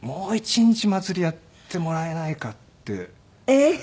えっ？